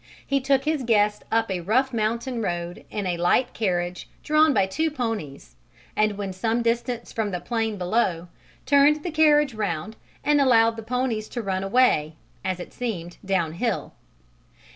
He took his guest up a rough mountain road in a light carriage drawn by two ponies, and when some distance from the plain below, turned the carriage round and allowed the ponies to run away as it seemed downhill.